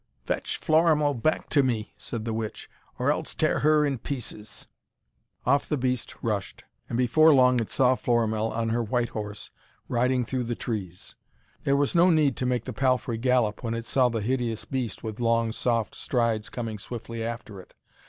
'Fetch Florimell back to me!' said the witch, 'or else tear her in pieces!' Off the beast rushed, and before long it saw Florimell on her white horse riding through the trees. There was no need to make the palfrey gallop when it saw the hideous beast with long, soft strides coming swiftly after it.